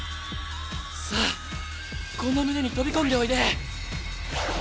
さあこの胸に飛び込んでおいで！